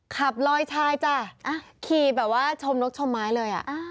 ขับลอยชายจ้ะขี่แบบว่าชมนกชมไม้เลยอ่ะ